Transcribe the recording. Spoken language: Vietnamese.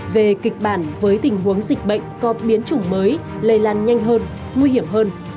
về kịch bản với tình huống dịch bệnh có biến chủng mới lây lan nhanh hơn nguy hiểm hơn